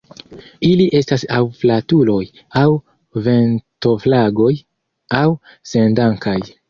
Ili estas aŭ flatuloj, aŭ ventoflagoj, aŭ sendankaj.